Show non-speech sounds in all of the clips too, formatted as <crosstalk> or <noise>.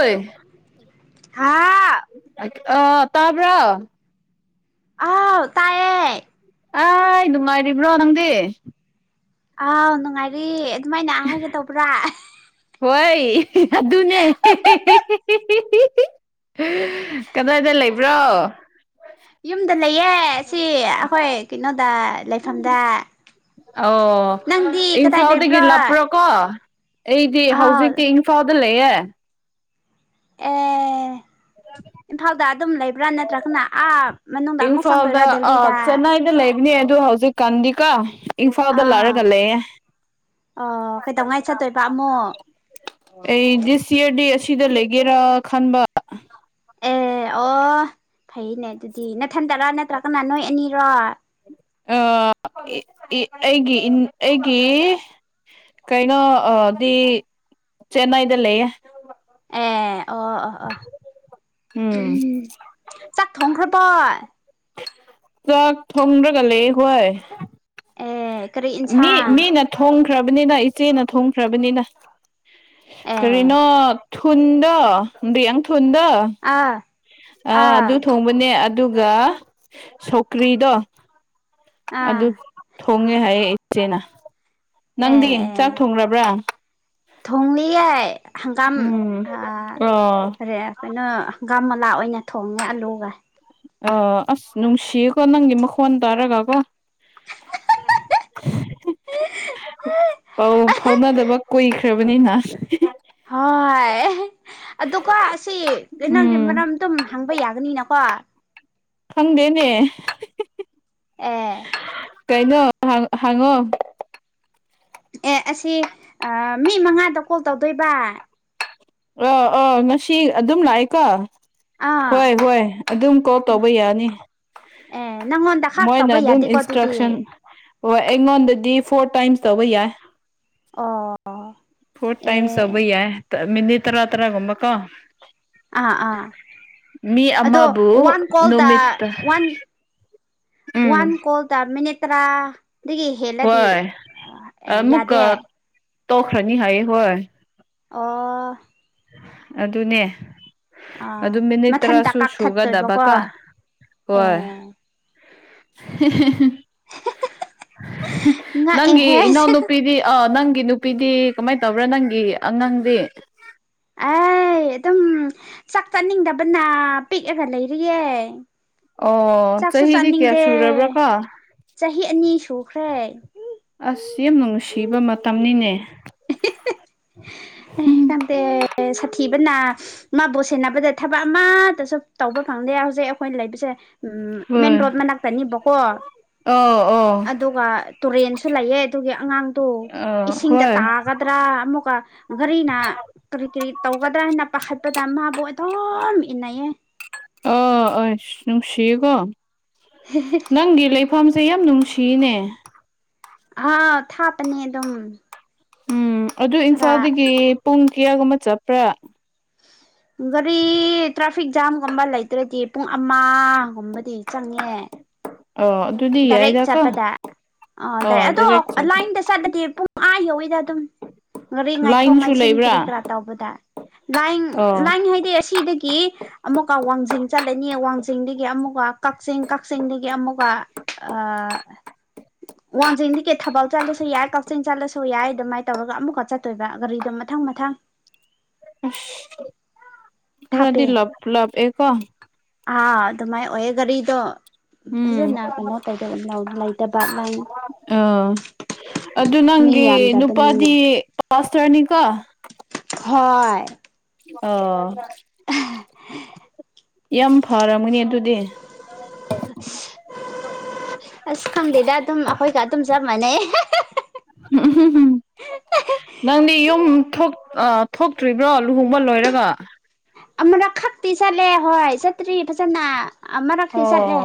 ꯍꯣꯏ ꯍꯥꯥ ꯑ ꯇꯥꯕ꯭ꯔꯣ ꯑꯥꯎ ꯇꯥꯏꯑꯦ ꯑꯩ ꯅꯨꯡꯉꯥꯏꯔꯤꯕ꯭ꯔꯣ ꯅꯪꯗꯤ ꯑ ꯅꯨꯡꯉꯥꯏꯔꯤ ꯑꯗꯨꯃꯥꯏꯅ ꯍꯥꯏꯒꯗꯧꯕ꯭ꯔꯥ ꯍꯣꯏ ꯑꯗꯨꯅꯦ ꯀꯗꯥꯏꯗ ꯂꯩꯕ꯭ꯔꯣ ꯌꯨꯝꯗ ꯂꯩꯌꯦ ꯁꯤ ꯑꯩꯈꯣꯏ ꯀꯩꯅꯣꯗ ꯂꯩꯐꯝꯗ ꯑꯣ ꯅꯪꯗꯤ ꯀꯗꯥꯏ ꯏꯝꯐꯥꯜꯗꯒꯤ ꯂꯩꯕ꯭ꯔꯣ ꯂꯞꯄ꯭ꯔꯣꯀꯣ ꯑꯩꯗꯤ ꯑꯥꯎ ꯍꯧꯖꯤꯛꯇꯤ ꯏꯝꯐꯥꯜ ꯑꯗꯨ ꯂꯩꯌꯦꯦ ꯑꯦ ꯏꯝꯐꯥꯜꯗ ꯑꯗꯨꯝ ꯂꯩꯕ꯭ꯔꯥ ꯅꯠꯇ꯭ꯔꯒꯅ ꯑꯥ ꯃꯅꯨꯡꯗ ꯑꯃꯨꯛ ꯆꯪꯗꯣꯏꯔꯥ ꯗꯦꯜꯂꯤꯗ ꯏꯅꯦ ꯑꯗꯨ ꯍꯧꯖꯤꯛ ꯀꯥꯟꯗꯤꯀꯥ ꯏꯝꯐꯥꯜꯗ ꯑꯥ ꯂꯥꯛꯔꯒ ꯂꯩꯌꯦꯦ ꯑꯣ ꯀꯩꯗꯧꯉꯥꯏ ꯆꯠꯇꯣꯏꯕ ꯑꯃꯣ ꯁꯤꯗ ꯂꯩꯒꯦꯔꯥ ꯈꯟꯕ ꯑꯦ ꯑꯣ ꯐꯩꯅꯦ ꯑꯗꯨꯗꯤ ꯅꯊꯟꯗꯔ ꯅꯠꯇ꯭ꯔꯒꯅ ꯅꯣꯏ ꯑꯅꯤꯔꯣ ꯑꯩꯒꯤ ꯑꯩꯒꯤ ꯀꯩꯅꯣꯗꯤ ꯆꯦꯟꯅꯥꯏꯗ ꯂꯩꯌꯦ ꯑꯦ ꯑꯣ ꯑꯣ ꯑꯣ ꯎꯝ ꯆꯥꯛ ꯊꯣꯡꯈ꯭ꯔꯕ ꯄ ꯆꯥꯛ ꯊꯣꯡꯗ꯭ꯔꯒ ꯂꯩ ꯍꯣꯏ ꯑꯦ ꯀꯔꯤ ꯃꯤ ꯏꯟꯁꯥꯡ ꯃꯤꯅ ꯊꯣꯡ ꯈ꯭ꯔꯕꯅꯤꯅ ꯏꯆꯦꯅ ꯊꯣꯡꯈ꯭ꯔꯕꯅꯤꯅ ꯑꯦ ꯀꯔꯤꯅꯣ ꯊꯨꯟꯗꯣ ꯌꯥꯝ ꯊꯨꯟꯗꯣ ꯑꯥ ꯑꯥ ꯑꯗꯨ ꯊꯣꯡꯕꯅꯦ ꯑꯗꯨꯒ ꯁꯧꯀ꯭ꯔꯤꯗꯣ ꯑꯥ ꯑꯗ ꯍꯣꯡꯉꯦ ꯍꯥꯏꯌꯦ ꯏꯆꯦꯅ ꯑꯦ ꯅꯪꯗꯤ ꯆꯥꯛ ꯑꯦ ꯊꯣꯡꯕ꯭ꯔꯥ ꯊꯣꯡꯂꯤꯌꯦ ꯍꯪꯒꯥꯝ ꯎꯝ ꯑꯣ ꯈꯩꯅꯣ ꯒꯝꯂꯥ ꯑꯣꯏꯅ ꯊꯣꯡꯉꯦ ꯑꯂꯨꯒ ꯑꯥ ꯑꯁ ꯅꯨꯡꯁꯤꯌꯦꯀꯣ ꯅꯪꯒꯤ ꯃꯈꯣꯟ ꯇꯥꯔꯒꯀꯣ ꯄꯧ ꯐꯥꯎꯅꯗꯕ ꯀꯨꯏꯈ꯭ꯔꯕꯅꯤꯅ ꯍꯣꯏ ꯑꯗꯨꯀꯣ ꯑꯁꯤ ꯀꯩꯅꯣꯒꯤ ꯎꯝ ꯃꯔꯝ ꯑꯗꯨꯝ ꯍꯪꯕ ꯌꯥꯒꯅꯤꯅꯀꯣ ꯈꯪꯗꯦꯅꯦ ꯑꯦ ꯀꯩꯅꯣ ꯍꯪꯉꯣ ꯑꯦ ꯑꯁꯤ ꯑ ꯃꯤ ꯃꯉꯥꯗ ꯀꯣꯜ ꯇꯧꯗꯣꯏꯕ ꯑꯥ ꯑꯥ ꯉꯁꯤ ꯑꯗꯨꯝ ꯂꯥꯛꯑꯦꯀꯣ ꯑꯥ ꯍꯣꯏ ꯍꯣꯏ ꯑꯗꯨꯝ ꯀꯣꯜ ꯇꯧꯕ ꯌꯥꯅꯤ ꯑꯦ ꯅꯪꯉꯣꯟꯗ ꯈꯥꯛ ꯃꯣꯏꯅ ꯇꯧꯕ ꯑꯗꯨꯝ ꯌꯥꯗꯦꯀꯣ ꯑꯗꯨꯗꯤ ꯏꯟꯁꯇ꯭ꯔꯛꯁꯟ ꯍꯣꯏ ꯑꯩꯉꯣꯟꯗꯗꯤ ꯐꯣꯔ ꯇꯥꯏꯝꯁ ꯇꯧꯕ ꯌꯥꯏ ꯑꯣ ꯐꯣ꯭ꯔꯠ ꯇꯥꯏꯝꯁ ꯑꯦ ꯇꯧꯕ ꯌꯥꯏ ꯃꯤꯅꯤꯠ ꯇꯔ ꯇꯔꯒꯨꯝꯕꯀꯣ ꯑꯥ ꯑꯥ ꯑꯗꯣ ꯑꯃꯕꯨ ꯋꯥꯟ ꯀꯣꯜꯗ ꯅꯨꯃꯤꯠꯇ ꯋꯥꯟ ꯋꯥꯟ ꯎꯝ ꯀꯣꯜ ꯇ ꯃꯤꯅꯤꯠ ꯇꯔꯥ ꯗꯒꯤ ꯍꯦꯜꯂꯗꯤ ꯍꯣꯏ ꯌꯥꯗꯦ ꯇꯣꯈ꯭ꯔꯅꯤ ꯍꯥꯏꯌꯦ ꯍꯣꯏ ꯑꯣ ꯑꯗꯨꯅꯦ ꯑꯥ ꯑꯗꯨ ꯃꯤꯅꯤꯠ ꯃꯊꯟꯇ ꯇꯔꯥꯁꯨ ꯀꯛꯊꯠꯇꯣꯏꯕꯀꯣ ꯁꯨꯒꯗꯕꯀꯣ ꯍꯣꯏ ꯑꯦ <unintelligible> ꯅꯪꯒꯤ ꯉꯛꯑꯦꯍꯦ ꯏꯅꯥꯎ ꯅꯨꯄꯤꯗꯤ ꯑ ꯅꯪꯒꯤ ꯅꯨꯄꯤ ꯅꯨꯄꯤꯗꯤ ꯀꯃꯥꯏꯅ ꯇꯧꯕ꯭ꯔꯥ ꯅꯪꯒꯤ ꯑꯉꯥꯡꯗꯤ ꯑꯩ ꯑꯗꯨꯝ ꯆꯥꯛ ꯆꯅꯤꯡꯗꯕꯅ ꯄꯤꯛꯑꯒ ꯂꯩꯔꯤꯌꯦ ꯑꯣ ꯆꯥꯛꯁꯨ ꯆꯍꯤꯗꯤ ꯀꯌꯥ ꯆꯥꯅꯤꯡꯗꯦ ꯁꯨꯔꯕ꯭ꯔꯥ ꯀꯣ ꯆꯍꯤ ꯑꯅꯤ ꯁꯨꯈ꯭ꯔꯦ ꯑꯁ ꯌꯥꯝ ꯅꯨꯡꯁꯤꯕ ꯃꯇꯝꯅꯤꯅꯦ <inaudible> ꯎꯝ <unintelligible> ꯁꯥꯊꯤꯕꯅ ꯃꯥꯕꯨ ꯁꯦꯟꯅꯕꯗ ꯊꯕꯛ ꯑꯃꯠꯇꯁꯨ ꯇꯧꯕ ꯐꯪꯗꯦ ꯍꯧꯖꯤꯛ ꯑꯩꯈꯣꯏꯅ ꯂꯩꯕꯁꯦ ꯎꯝ ꯃꯦꯟ ꯍꯣꯏ ꯔꯣꯠ ꯃꯅꯥꯛꯇꯅꯦꯕꯀꯣ ꯑꯧ ꯑꯧ ꯑꯗꯨꯒ ꯇꯨꯔꯦꯟꯁꯨ ꯂꯩꯌꯦ ꯑꯗꯨꯒꯤ ꯑꯉꯥꯡꯗꯣ ꯑꯥ ꯏꯁꯤꯡꯗ ꯍꯣꯏ ꯇꯥꯒꯗ꯭ꯔꯥ ꯑꯃꯨꯛꯀ ꯒꯔꯤꯅ ꯀꯔꯤ ꯀꯔꯤ ꯇꯧꯒꯗ꯭ꯔꯥ ꯍꯥꯏꯅ ꯄꯥꯈꯠꯄꯗ ꯃꯥꯕꯨ ꯗꯨꯝ ꯏꯟꯅꯩꯌꯦ ꯑꯣ ꯑꯁ ꯅꯨꯡꯁꯤꯀꯣ ꯅꯪꯒꯤ ꯂꯩ ꯐꯝꯁꯦ ꯌꯥꯝ ꯅꯨꯡꯁꯤꯅꯦ ꯑꯥ ꯊꯥꯄꯅꯦ ꯑꯗꯨꯝ ꯎꯝ ꯑꯗꯨ ꯈꯔ ꯏꯝꯐꯥꯜꯗꯒꯤ ꯄꯨꯡ ꯀꯤꯌꯥꯒꯨꯝꯕ ꯆꯞꯄ꯭ꯔꯥ ꯒꯥꯔꯤ ꯇ꯭ꯔꯥ ꯇ꯭ꯔꯥꯐꯤꯛ ꯖꯥꯝꯒꯨꯝꯕ ꯂꯩꯇ꯭ꯔꯗꯤ ꯄꯨꯡ ꯑꯃꯒꯨꯝꯕꯗꯤ ꯆꯪꯉꯦ ꯑꯣ ꯑꯗꯨꯗꯤ ꯗꯥꯏꯔꯦꯛ ꯌꯥꯏꯗꯀꯣ ꯆꯠꯄꯗ ꯑ ꯑꯣ ꯗꯥꯏꯔꯦꯛ ꯑꯗꯣ ꯆꯠꯄ ꯂꯥꯏꯟꯗ ꯆꯠꯂꯗꯤ ꯄꯨꯡ ꯑꯥ ꯌꯧꯤꯗ ꯑꯗꯨꯝ ꯉꯥꯔꯤ ꯉꯥꯏꯊꯣꯛ ꯂꯥꯏꯟꯁꯨ ꯉꯥꯏꯁꯤꯟ ꯂꯩꯕ꯭ꯔꯥ ꯀ꯭ꯔꯤ ꯀꯔꯥ ꯇꯧꯕꯗ ꯂꯥꯏ ꯑꯣ ꯂꯥꯏ ꯍꯥꯏꯗꯤꯩ ꯑꯁꯤꯗꯒꯤ ꯑꯃꯨꯛꯀ ꯋꯥꯡꯖꯤꯡ ꯆꯠꯂꯅꯤ ꯋꯥꯡꯖꯤꯡꯗꯒꯤ ꯑꯃꯨꯛꯀ ꯀꯛꯆꯤꯡ ꯀꯛꯆꯤꯡꯗꯒꯤ ꯑꯃꯨꯛꯀ ꯋꯥꯡꯖꯤꯡꯗꯤ ꯀꯦ ꯊꯕꯜ ꯆꯠꯂꯁꯨ ꯌꯥꯏ ꯀꯛꯆꯤꯡ ꯆꯠꯂꯁꯨ ꯌꯥꯏ ꯑꯗꯨꯃꯥꯏꯅ ꯇꯧꯔꯒ ꯑꯃꯨꯛꯀ ꯆꯠꯇꯣꯏꯕ ꯒꯥꯔꯤꯗꯣ ꯃꯊꯪ ꯃꯊꯪ ꯑꯁ ꯈꯔꯗꯤ ꯊꯥꯞꯄꯦ ꯂꯞ ꯂꯞ ꯑꯦꯀꯣ ꯑꯗꯨꯗ ꯃꯥꯏ ꯑꯣꯏꯦꯒꯥꯔꯤꯗ ꯐꯖꯅ ꯀꯩꯅꯣ ꯇꯧꯗ ꯂꯩꯇꯕ ꯂꯥꯏ ꯑꯥ ꯑꯗꯨ ꯅꯪꯒꯤ ꯅꯨꯄꯥꯗꯤ ꯀ꯭ꯂꯥꯁ ꯇ꯭ꯔꯅꯤꯀ ꯍꯣꯏ ꯑꯣ <inaudible> ꯌꯥꯝ ꯐꯔꯝꯒꯅꯤ ꯑꯗꯨꯗꯤ ꯑꯁ ꯈꯪꯗꯦꯗ ꯑꯗꯨꯝ ꯑꯩꯈꯣꯏꯒ ꯑꯗꯨꯝ ꯆꯞ ꯃꯥꯟꯅꯩ ꯎꯝꯝ ꯅꯪꯗꯤ ꯌꯨꯝ ꯊꯣꯛ ꯑꯥ ꯊꯣꯛꯇ꯭ꯔꯤꯕ꯭ꯔꯣ ꯂꯨꯍꯣꯡꯕ ꯂꯣꯏꯔꯒ ꯑꯃꯅꯛ ꯈꯛꯇꯤ ꯆꯠꯂꯦ ꯍꯣꯏ ꯆꯠꯇ꯭ꯔꯤ ꯐꯖꯅ ꯑꯃꯔꯛꯇꯤ ꯑꯣ ꯆꯠꯂꯦ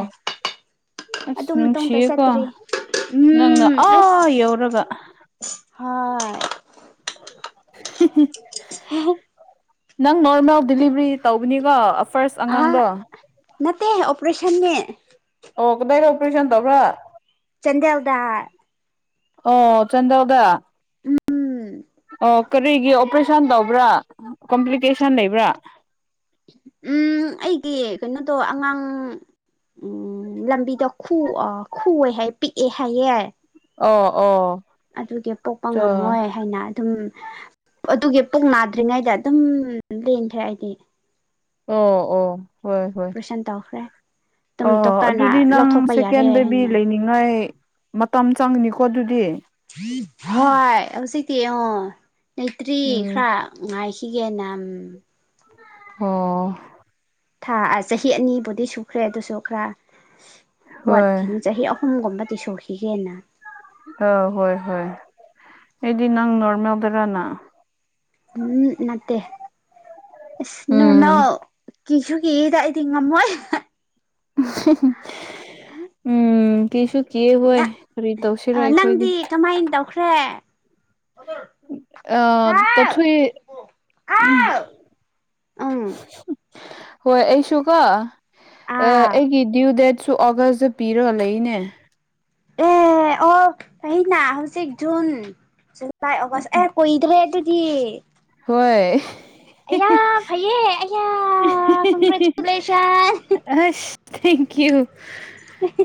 ꯑꯁ ꯑꯗꯨ ꯃꯇꯨꯡꯗ ꯅꯨꯡꯁꯤꯌꯦꯀꯣ ꯆꯠꯇ꯭ꯔꯤ ꯅꯪꯅ ꯎꯝ ꯑꯥ ꯌꯧꯔꯒ ꯍꯥꯣꯏ <inaudible> ꯅꯪ ꯅꯣꯔꯃꯦꯜ ꯗꯤꯂꯤꯚꯔꯤ ꯇꯧꯕꯅꯤꯀꯣ ꯐꯥꯔꯁ ꯑꯉꯥꯡꯗꯣ ꯅꯠꯇ ꯑꯣꯄꯔꯦꯁꯟꯅꯦ ꯑꯣ ꯀꯗ ꯑꯣꯄꯔꯁꯟ ꯇꯧꯕ꯭ꯔ ꯆꯗ ꯌꯥꯎꯗ ꯑꯣ ꯆꯟꯗꯧꯒ ꯎꯝ ꯑꯣ ꯀꯔꯤꯒꯤ ꯑꯣꯄꯔꯦꯁꯟ ꯇꯧꯕ꯭ꯔꯥ ꯀꯝꯄ꯭ꯂꯤꯀꯦꯁꯟ ꯂꯩꯕ꯭ꯔꯥ ꯎꯝ ꯑꯩꯒꯤ ꯀꯩꯅꯣꯗꯣ ꯑꯉꯥꯡ ꯎꯝ ꯂꯝꯕꯤꯗꯣ ꯈꯨ ꯈꯨ ꯄꯤꯛꯑꯦ ꯍꯥꯏꯌꯦꯦ ꯑꯣ ꯑꯣ ꯑꯗꯨꯒꯤ ꯄꯣꯛꯄ ꯉꯝꯃꯣꯏ ꯍꯥꯏꯅ ꯑꯗꯨꯝ ꯑꯗꯨꯒꯤ ꯄꯣꯛ ꯅꯥꯗ꯭ꯔꯤꯉꯩꯗ ꯑꯗꯨꯝ ꯂꯦꯟꯈ꯭ꯔꯦ ꯑꯩꯗꯤ ꯑꯣ ꯑꯣ ꯍꯣꯏ ꯍꯣꯏ ꯄ꯭ꯔꯦꯁꯟ ꯇꯧꯈ꯭ꯔꯦ ꯑꯗꯨꯝ ꯑꯣ ꯗꯣꯛꯇꯔꯅ ꯑꯗꯨꯗꯤ ꯅꯪ ꯂꯧꯊꯣꯛꯄ ꯁꯦꯀꯦꯟ ꯌꯥꯔꯦ ꯕꯦꯕꯤ ꯍꯥꯏꯅ ꯂꯩꯅꯤꯡꯉꯥꯏ ꯃꯇꯝ ꯆꯪꯅꯤꯀꯣ ꯑꯗꯨꯗꯤ ꯍꯣꯏ ꯍꯧꯖꯤ ꯀ ꯑ ꯂꯩꯇ꯭ꯔꯤ ꯎꯝ ꯈꯔ ꯉꯥꯏꯈꯤ ꯁꯤꯤꯒꯅꯝ <inaudible> ꯑꯣ <inaudible> ꯊꯥ ꯑ ꯆꯍꯤ ꯑꯅꯤꯕꯨꯗꯤ ꯁꯨꯈ꯭ꯔꯦ ꯑꯗꯨ ꯁꯨ ꯈꯔ ꯍꯣꯏ ꯋꯥꯠꯈꯤꯅꯤ ꯆꯍꯤ ꯑꯍꯨꯝꯒꯨꯝꯕ ꯁꯣꯛꯈꯤꯒꯦꯅ ꯑ ꯍꯣꯏ ꯍꯣꯏ ꯑꯩꯗꯤ ꯅꯪ ꯅꯣꯔꯃꯦꯜꯗ ꯔꯅ ꯅꯠꯇꯦ ꯅꯔꯃ ꯎꯝ ꯀꯤꯁꯨ ꯀꯤꯗ ꯑꯩꯗꯤ ꯉꯝꯃꯣꯏ ꯎꯝ ꯀꯁꯨ ꯅꯪꯗꯤ ꯀꯃꯥꯏꯅ ꯇꯧꯈ꯭ꯔꯦ ꯍꯥꯎ ꯇꯊ ꯍꯥꯎ ꯎꯝ <inaudible> ꯍꯣꯏ ꯑꯩꯁꯨꯀꯣ ꯑꯥ ꯑꯩꯒꯤ ꯗ꯭ꯌꯨ ꯗꯦꯠ ꯁꯨ ꯑꯒꯁꯇ ꯄꯤꯔꯒ ꯂꯩꯅꯦ ꯑꯦ ꯑꯣ ꯑꯩꯅ ꯍꯧꯖꯤꯛ ꯖꯨꯟ ꯇꯥꯏ ꯑꯣꯋꯥꯁ ꯑꯦ ꯀꯗꯕ ꯑꯗꯨ ꯇꯤ ꯍꯣꯏ ꯑꯌꯥ ꯐꯩꯌꯦ ꯑꯌꯥ ꯀ꯭ꯔꯦꯁ ꯑꯁ ꯊꯦꯡꯀ꯭ꯌꯨ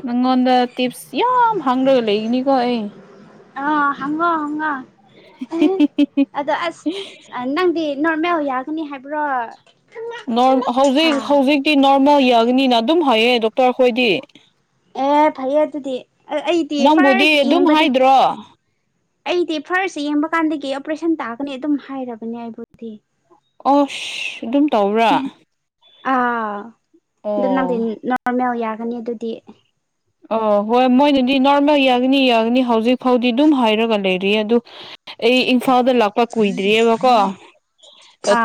ꯅꯪꯉꯣꯟꯗ ꯇꯤꯞꯁ ꯌꯥꯝ ꯍꯥꯡꯗ꯭ꯔꯒ ꯂꯩꯒꯅꯤꯀꯣ ꯑꯩ ꯑ ꯍꯉꯣ ꯍꯪꯉ ꯑꯗ ꯑꯁ ꯅꯪꯗꯤ ꯅ ꯃ ꯌꯥꯒꯅꯤ ꯍꯥꯏꯕ꯭ꯔꯣ ꯅ ꯍꯥ ꯍꯧꯖꯤꯛ ꯍꯧꯖꯤꯛꯗꯤ ꯅ ꯅ ꯌꯥꯒꯅꯤꯅ ꯑꯗꯨꯝ ꯍꯥꯏꯌꯦ ꯗꯣꯛꯇꯔ ꯑꯩꯈꯣꯏꯗꯤ ꯑꯦ ꯐꯩꯌꯦ ꯑꯗꯨꯗꯤ ꯑꯩꯗꯤ ꯅꯪꯕꯨꯗꯤ ꯐꯔꯁ ꯑꯗꯨꯝ ꯌꯦꯡꯕꯗꯤ ꯍꯥꯏꯗ꯭ꯔꯣ ꯑꯩꯗꯤ ꯐꯥꯔꯁ ꯌꯦꯡꯕ ꯀꯥꯟꯗꯒꯤ ꯑꯣꯄꯔꯦꯁꯟ ꯇꯥꯒꯅꯤ ꯑꯗꯨꯝ ꯍꯥꯏꯔꯕꯅꯦ ꯑꯩꯕꯨꯗꯤ ꯑꯁ ꯑꯗꯨꯝ ꯇꯧꯕ꯭ꯔꯥ ꯑꯥ ꯑꯗꯨꯅꯗ ꯑꯣ ꯅ ꯃꯦ ꯌꯥꯔ ꯍꯅꯤ ꯗꯨꯗꯤ ꯑ ꯍꯣꯏ ꯃꯣꯏꯅꯗꯤ ꯅꯣꯔꯃꯦꯜ ꯌꯥꯒꯅꯤ ꯌꯥꯒꯅꯤ ꯍꯧꯖꯤꯛ ꯐꯥꯎꯗꯤ ꯑꯗꯨꯝ ꯍꯥꯏꯔꯒ ꯂꯩꯔꯤ ꯑꯗꯨ ꯑꯩ ꯏꯝꯐꯥꯜꯗ ꯂꯥꯛꯄ ꯀꯨꯏꯗ꯭ꯔꯤꯑꯕꯀꯣ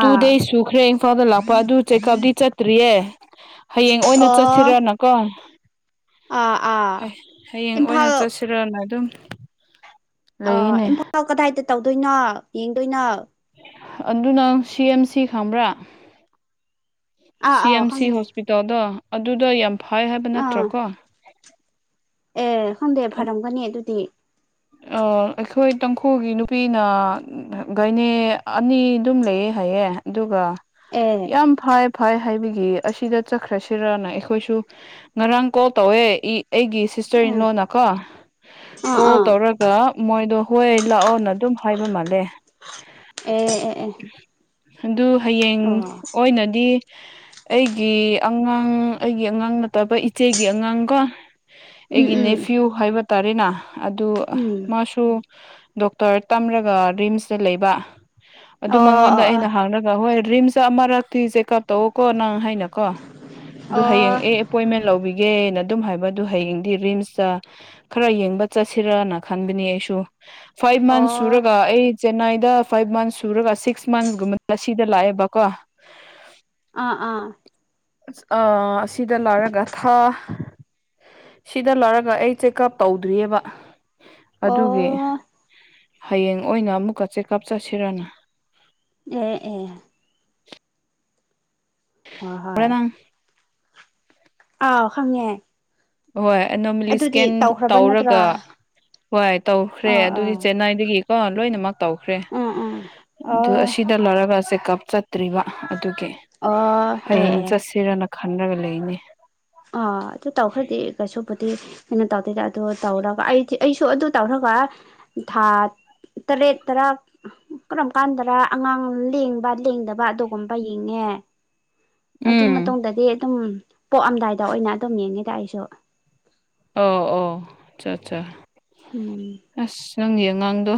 ꯇꯨ ꯗꯦꯖ ꯁꯨꯈ꯭ꯔꯦ ꯏꯝꯐꯥꯜꯗ ꯂꯥꯛꯄ ꯑꯗꯨ ꯆꯦꯛꯀꯞꯇꯤ ꯆꯠꯇ꯭ꯔꯤꯌꯦ ꯍꯌꯦꯡ ꯑꯣꯏꯅ ꯑꯣ ꯆꯠꯁꯤꯔꯅꯀꯣ ꯑꯥ ꯑꯥ ꯍ ꯍꯌꯦꯡ ꯏꯝꯐꯥꯜ ꯑꯣꯏꯅ ꯆꯠꯁꯤꯔꯣꯅ ꯑꯗꯨꯝ ꯑꯣ ꯂꯩꯅꯦ ꯏꯝꯐꯥ ꯀꯗꯥꯏ ꯗꯠ ꯇꯧꯗꯣꯏꯅꯣ ꯌꯦꯡꯗꯣꯏꯅꯣ ꯑꯗꯨ ꯅꯪ ꯁꯤ ꯑꯦꯝ ꯁꯤ ꯈꯪꯕ꯭ꯔꯥ ꯑꯥ ꯁꯤ ꯑꯥ ꯑꯦꯝ ꯁꯤ ꯈꯪꯉꯦ ꯍꯣꯁꯄꯤꯇꯥꯜꯗꯣ ꯑꯗꯨꯗ ꯌꯥꯝ ꯐꯥꯏ ꯍꯥꯏꯕ ꯑꯥ ꯅꯠꯇ꯭ꯔꯣ ꯀꯣ ꯑꯦ ꯍꯟꯗꯦ ꯐꯔꯝꯒꯅꯤ ꯑꯗꯨꯗꯤ ꯑ ꯑꯩꯈꯣꯏ ꯇꯥꯡꯈꯨꯜꯒꯤ ꯅꯨꯄꯤꯅ ꯒꯥꯏꯅꯤ ꯑꯅꯤ ꯑꯗꯨꯝ ꯂꯩꯌꯦ ꯍꯥꯏꯌꯦ ꯑꯗꯨꯒ ꯑꯦ ꯌꯥꯝ ꯐꯥꯏ ꯐꯥꯏ ꯍꯥꯏꯕꯒꯤ ꯑꯁꯤꯗ ꯆꯠꯈ꯭ꯔꯁꯤꯔꯅ ꯑꯩꯈꯣꯏꯁꯨ ꯉꯔꯥꯡ ꯀꯣꯜ ꯇꯧꯋꯦ ꯏ ꯑꯩꯒꯤ ꯁꯤꯁꯇꯔ ꯑꯥ ꯏꯟꯂꯣꯅꯀꯣ ꯑꯥ ꯀꯣ ꯑꯥ ꯇꯧꯔꯒ ꯃꯣꯏꯗꯣ ꯍꯣꯏ ꯂꯥꯛꯑꯣꯅꯠ ꯗꯨꯝ ꯍꯥꯏꯕ ꯃꯥꯜꯂꯦ ꯑꯦ ꯑꯦ ꯑꯦ ꯍꯡ ꯗꯨ ꯍꯌꯦꯡ ꯑꯣ ꯑꯣꯏꯅꯗꯤ ꯑꯩꯒꯤ ꯑꯉꯥꯡ ꯑꯩꯒꯤ ꯑꯉꯥꯡ ꯅ ꯇꯕ ꯏꯆꯦꯒꯤ ꯑꯉꯥꯡꯒ ꯎꯝ ꯑꯩꯒꯤ ꯎꯝ ꯅꯦꯐ꯭ꯌꯨ ꯍꯥꯏꯕ ꯇꯔꯤꯅ ꯑꯗꯨ ꯎꯝ ꯃꯥꯁꯨ ꯗꯣꯛꯇꯔ ꯇꯝꯔꯒ ꯔꯤꯝꯁꯇ ꯂꯩꯕ ꯑꯗꯨ ꯑꯣ ꯑꯣ ꯑꯣ ꯃꯉꯣꯟꯗ ꯑꯣ ꯑꯩꯅ ꯍꯥꯡꯂꯒ ꯍꯣꯏ ꯗ꯭ꯔꯤꯝꯁ ꯑꯃꯔꯛꯇꯤ ꯆꯦꯛ ꯀꯞ ꯇꯧꯑꯣꯀꯣ ꯅꯪ ꯍꯥꯏꯅꯀꯣ ꯑꯗꯨ ꯑꯣ ꯍꯌꯦꯡ ꯑꯦ ꯑꯦꯄꯣꯏꯟꯃꯦꯟ ꯂꯧꯕꯤꯒꯦꯅ ꯑꯗꯨꯝ ꯍꯥꯏꯕꯗꯨ ꯍꯌꯦꯡꯗꯤ ꯔꯤꯝꯁꯇ ꯈꯔ ꯌꯦꯡꯕ ꯆꯠꯁꯤꯔꯅ ꯈꯟꯕꯅꯤ ꯑꯩꯁꯨ ꯐꯥꯏꯚ ꯃꯟꯁ ꯁꯨꯔꯒ ꯑꯩ ꯆꯦꯟꯅꯥꯏꯗ ꯐꯥꯏꯚ ꯃꯟꯁ ꯁꯨꯔꯒ ꯁꯤꯛꯁ ꯃꯟꯁꯒꯨꯝꯕ ꯁꯤꯗ ꯂꯥꯛꯑꯦꯕꯀꯣ ꯑꯥ ꯑꯥ ꯑ ꯑꯁꯤꯗ ꯂꯣꯏꯔꯒ ꯊꯥ ꯁꯤꯗ ꯂꯣꯏꯔꯒ ꯑꯩ ꯆꯦꯛꯑꯞ ꯇꯧꯗ꯭ꯔꯤꯌꯦꯕ ꯍ ꯑꯣ ꯑꯗꯨꯒꯤ ꯍꯌꯦꯡ ꯑꯣꯏꯅ ꯑꯃꯨꯛꯀ ꯆꯦꯛꯑꯞ ꯆꯠꯁꯤꯔꯅ ꯑꯦ ꯑꯦ ꯍꯣꯏ ꯍꯣꯏ ꯅꯪ ꯑꯧ ꯈꯪꯉꯦ ꯍꯣꯏ ꯑꯗꯨꯗꯤ ꯑꯦꯅꯣꯃꯦꯂꯤꯁꯀꯤꯟ ꯇꯧꯈ꯭ꯔꯕ ꯅꯠꯇ꯭ꯔꯣ ꯇꯧꯔꯒ ꯑꯥ ꯍꯣꯏ ꯇꯧꯈ꯭ꯔꯦ ꯑꯗꯨꯗꯤ ꯑꯥ ꯆꯦꯟꯅꯥꯏꯗꯒꯤ ꯀꯣ ꯂꯣꯏꯅꯃꯛ ꯇꯧꯈ꯭ꯔꯦ ꯎꯝ ꯎꯝ ꯑꯗꯨ ꯑꯣ ꯑꯁꯤꯗ ꯂꯩꯔꯒ ꯀꯞ ꯆꯠꯇ꯭ꯔꯤꯕ ꯑꯗꯨꯒꯤ ꯑꯣ ꯑꯦ ꯍꯌꯦꯡ ꯆꯠꯁꯤꯔꯥꯥꯅ ꯈꯟꯔꯒꯥ ꯂꯩꯅꯦ ꯑ ꯑꯗꯨ ꯇꯧꯈ꯭ꯔꯗꯤ ꯀꯩꯁꯨꯄꯨꯗꯤ ꯀꯩꯅꯣ ꯇꯧꯗꯦꯗ ꯑꯗꯨ ꯇꯧꯔꯒ ꯑꯩꯗꯤ ꯑꯩꯁꯨ ꯑꯗꯨ ꯇꯧꯔꯒ ꯊꯥ ꯇꯔꯦꯠ ꯇꯔꯥ ꯀꯔꯝ ꯀꯥꯟꯗꯔꯥ ꯑꯉꯥꯡ ꯂꯦꯡꯕ ꯂꯦꯡꯗꯕ ꯑꯗꯨꯒꯨꯝꯕ ꯌꯦꯡꯉꯦ ꯑꯗꯨ ꯎꯝ ꯃꯇꯨꯡꯗꯗꯤ ꯑꯗꯨꯝ ꯄꯣꯛꯑꯝꯗꯥꯏꯗ ꯗ ꯑꯣꯏꯅ ꯑꯗꯨꯝ ꯌꯦꯡꯉꯦꯗ ꯑꯩꯁꯨ ꯑꯣ ꯑꯣ ꯑꯆꯥ ꯑꯠꯆꯥ ꯎꯝ ꯑꯁ ꯅꯪꯒꯤ ꯑꯉꯥꯡꯗꯣ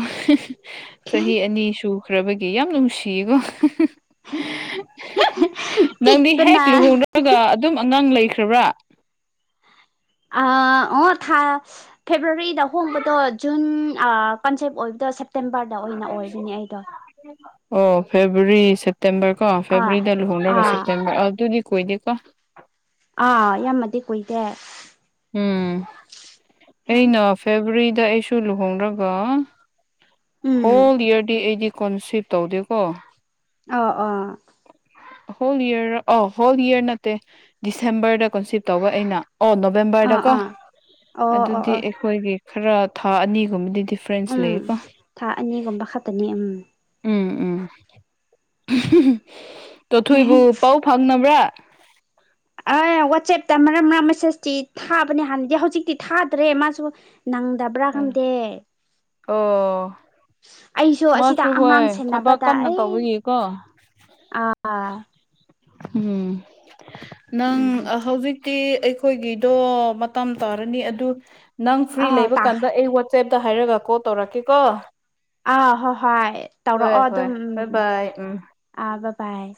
ꯆꯍꯤ ꯑꯅꯤꯁꯨ ꯈ꯭ꯔꯕꯒꯤ ꯌꯥꯝ ꯅꯨꯡꯁꯤꯌꯦꯀꯣ ꯅꯪꯗꯤ ꯍꯦꯛ ꯄꯤꯛꯄꯅ ꯂꯨꯍꯣꯡꯔꯒ ꯑꯗꯨꯝ ꯅꯪ ꯂꯩꯈ꯭ꯔꯕ꯭ꯔꯥ ꯑ ꯑꯣ ꯊꯥ ꯐꯦꯕ꯭ꯔꯨꯋꯥꯔꯤꯗ ꯍꯣꯡꯕꯗꯣ ꯖꯨꯟ ꯑ ꯀꯟꯁꯦꯞ ꯑꯣꯏꯕꯗꯣ ꯁꯦꯞꯇꯦꯝꯕꯔꯗ ꯑꯣꯏꯅ ꯑꯣꯏꯕꯅꯦ ꯑꯩꯗꯣ ꯑꯣ ꯐꯦꯕ꯭ꯔꯋꯥꯔꯤ ꯁꯦ ꯁꯦꯞꯇꯦꯝꯕꯔ ꯀꯣ ꯑꯥ ꯐꯦꯕꯋꯥꯔꯤꯗ ꯂꯨꯍꯣꯡꯔꯒ ꯑꯥ ꯁꯦꯞꯇꯦꯝꯕꯔ ꯑꯗꯨꯗꯤ ꯀꯣꯏꯗꯀꯣ ꯑꯥ ꯌꯥꯝꯃꯗꯤ ꯀꯨꯏꯗꯦ ꯎꯝ ꯑꯩꯅ ꯐꯦꯕ꯭ꯔꯋꯥꯔꯤ ꯁꯤꯗ ꯑꯩꯁꯨ ꯂꯨꯍꯣꯡꯔꯒ ꯎꯝ ꯍ ꯂꯗꯤ ꯑꯩꯗꯤ ꯀꯣꯟꯁꯤꯞ ꯇꯧꯗꯦꯀꯣ ꯑ ꯑꯣ ꯍꯣꯜ ꯌꯔ ꯑ ꯍꯣꯜ ꯌꯔ ꯅꯠꯇꯦ ꯗꯤꯁꯦꯝꯕꯔꯗ ꯀꯟꯁꯤꯞ ꯇꯧꯕ ꯑꯩꯅ ꯑꯣ ꯑꯥ ꯅꯣꯕꯦꯝꯕꯔꯗꯀꯣ ꯑꯥ ꯑꯣ ꯑꯣ ꯑꯗꯨꯗꯤ ꯑꯣ ꯑꯩꯈꯣꯏꯒꯤ ꯈꯔ ꯊꯥ ꯑꯅꯤꯒꯨꯝꯕꯗꯗꯤ ꯎꯝ ꯊꯥ ꯑꯅꯤꯒꯨꯝꯕ ꯈꯛꯇꯅꯤ ꯎꯝ ꯎꯝ ꯎꯝ ꯆꯣꯊꯣꯏꯕꯨ ꯄꯥꯎ ꯐꯪꯅꯕ꯭ꯔꯥ <unintelligible> ꯝ ꯔꯥꯁꯁꯇꯤ ꯊꯥꯕꯅꯦ ꯍꯥꯟꯅꯗꯤ ꯍꯧꯖꯤꯛꯇꯤ ꯊꯥꯗ꯭ꯔꯦ ꯃꯥꯁꯨ ꯅꯪꯗꯕ꯭ꯔꯥ ꯈꯪꯗꯦ ꯑꯣ ꯑꯩꯁꯨ ꯑꯁꯤꯗ ꯃꯥꯁꯨ ꯑꯉꯥꯡ ꯍꯣꯏ ꯊꯕꯛ ꯁꯦꯟꯅꯕꯗ ꯀꯟꯅ ꯑꯩ ꯇꯧꯕꯒꯤꯀꯣ ꯑꯥ ꯎꯝ ꯅꯪ ꯎꯝ ꯍꯧꯖꯤꯛ ꯒꯤ ꯑꯩꯈꯣꯏꯒꯤꯗꯣ ꯃꯇꯝ ꯇꯥꯔꯅꯤ ꯑꯗꯨ ꯅꯪ ꯐ꯭ꯔꯤ ꯑꯥ ꯂꯩꯕ ꯇꯥꯈ꯭ꯔꯦ ꯀꯥꯟꯗ ꯑꯩ ꯋꯥ ꯁꯦꯞꯇ ꯍꯥꯏꯔꯒ ꯀꯣꯜ ꯇꯧꯔꯛꯀꯦꯀꯣ ꯑ ꯍꯍꯥꯏ ꯍꯣꯏ ꯇꯧꯔꯛꯑꯣ ꯍꯣꯏ ꯑꯗꯨꯝ ꯕꯥꯏ ꯕꯥꯏ ꯎꯝ ꯎꯝ ꯄꯥꯏ